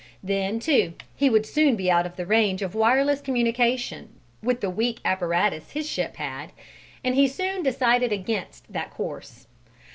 Then, too, he would soon be out of the range of wireless communication, with the weak apparatus his ship had, and he soon decided against that course.